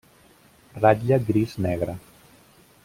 Ratlla gris-negre.